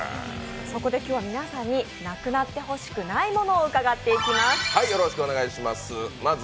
そこで今日は皆さんに無くなってほしくないものを伺っていきます。